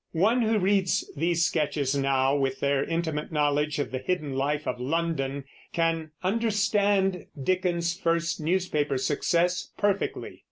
One who reads these sketches now, with their intimate knowledge of the hidden life of London, can understand Dickens's first newspaper success perfectly.